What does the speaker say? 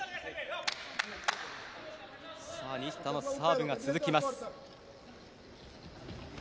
西田のサーブが続きます。